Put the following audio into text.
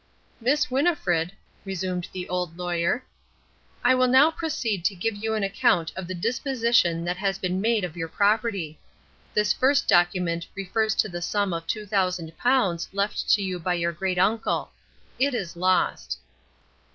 "Miss Winnifred," resumed the Old Lawyer, "I will now proceed to give you an account of the disposition that has been made of your property. This first document refers to the sum of two thousand pounds left to you by your great uncle. It is lost."